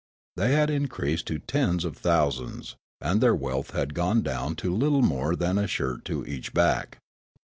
They had increased to tens of thousands, and their wealth had gone down to little more than a shirt to each back.